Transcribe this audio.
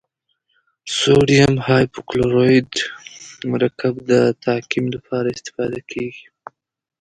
سوډیم هایپوکلورایت مرکب د تعقیم لپاره استفاده کیږي.